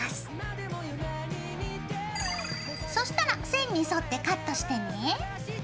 そしたら線に沿ってカットしてね。